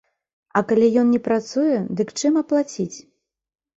А калі ён не працуе, дык, чым аплаціць?